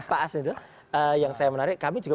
pak asin itu yang saya menarik kami juga